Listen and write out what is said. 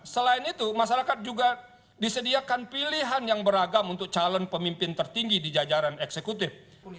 selain itu masyarakat juga disediakan pilihan yang beragam untuk calon pemimpin tertinggi di jajaran eksekutif